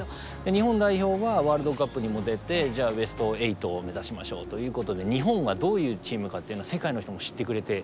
日本代表はワールドカップにも出てじゃあベスト８を目指しましょうということで日本はどういうチームかっていうのは世界の人も知ってくれてきてると。